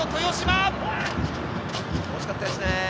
惜しかったですね。